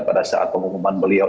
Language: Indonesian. pada saat pengumuman beliau